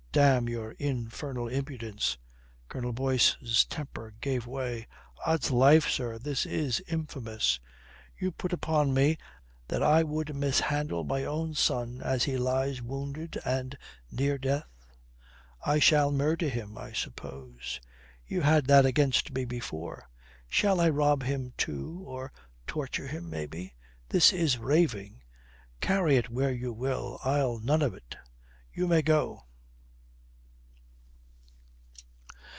"Damn your infernal impudence." Colonel Boyce's temper gave way. "Od's life, sir, this is infamous. You put upon me that I would mishandle my own son as he lies wounded and near death! I shall murder him, I suppose. You had that against me before. Shall I rob him too, or torture him maybe? This is raving. Carry it where you will, I'll none of it. You may go."